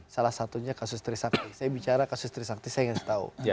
salah satunya kasus trisakti saya bicara kasus trisakti saya ngasih tahu